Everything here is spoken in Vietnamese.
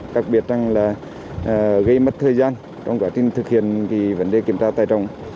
đặc biệt là gây mất thời gian trong quả tin thực hiện vấn đề kiểm tra tài trọng